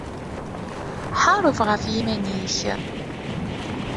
Ḥareb ɣef yiman-ik